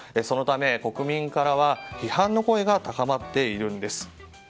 そのため国民からは批判の声が高まっているんです。